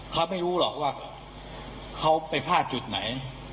เขาไม่รู้หรอกว่าเขาไปพลาดจุดไหน